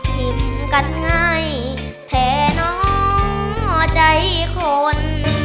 พิมพ์กันง่ายแท้น้องใจคน